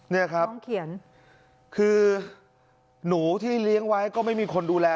นี่ครับคือหนูที่เลี้ยงไว้ก็ไม่มีคนดูแล